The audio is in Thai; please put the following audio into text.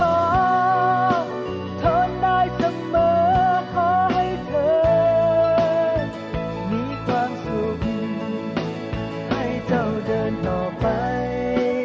เหนื่อยแค่ไหนไม่ชอบทนได้เสมอขอให้เธอมีความสุขอีกให้เจ้าเดินออกไป